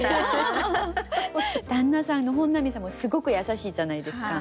旦那さんの本並さんもすごく優しいじゃないですか。